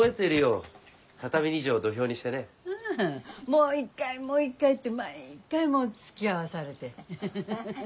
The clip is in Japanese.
「もう一回もう一回」って毎回つきあわされて。